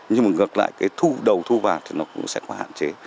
nhưng mà ngược lại cái thu đầu thu vàng thì nó cũng sẽ có hạn chế